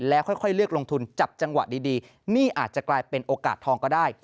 แล้วค่อยเลือกลงทุนจับจังหวะดีนี่อาจจะกลายเป็นโอกาสทองก็ได้